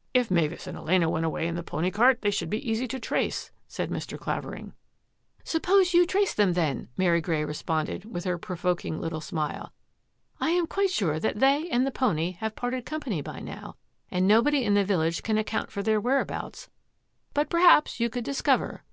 " If Mavis and Elena went away in the pony cart they should be easy to trace," said Mr. Cla vering. MARY SURPRISES CLAVERING 209 " Suppose you trace them, then," Mary Grey responded, with her provoking little smile. " I am quite sure that they and the pony have parted company by now, and nobody in the village can account for their whereabouts, but perhaps you could discover."